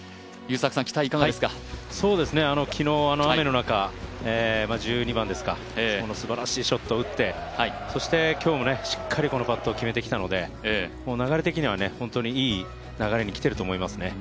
昨日、雨の中、１２番ですか、このすばらしいショットを打って、そして今日もこのパットをしっかり決めてきたので流れ的には、本当にいい流れにきていると思いますね。